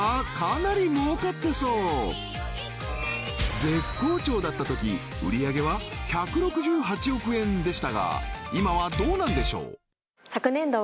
これは絶好調だったとき売上げは１６８億円でしたが今はどうなんでしょう？